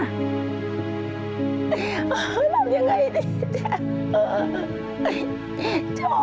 ทำยังไงนี่แจ๊ค